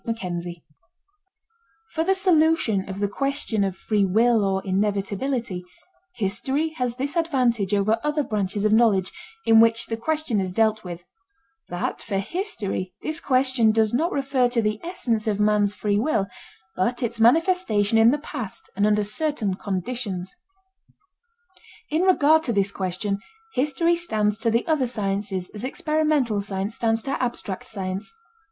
CHAPTER IX For the solution of the question of free will or inevitability, history has this advantage over other branches of knowledge in which the question is dealt with, that for history this question does not refer to the essence of man's free will but its manifestation in the past and under certain conditions. In regard to this question, history stands to the other sciences as experimental science stands to abstract science.